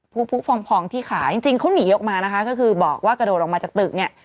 ผู้พองพองที่ขาจริงเขาหนีออกมานะคะก็คือบอกว่ากระโดดออกมาจากตึกเนี่ย